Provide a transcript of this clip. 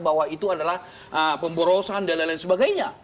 bahwa itu adalah pemborosan dan lain lain sebagainya